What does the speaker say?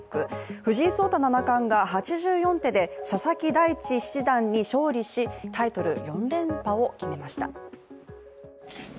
藤井聡太七冠が８４手で佐々木大地七段に勝利し、タイトル４連覇を決めました。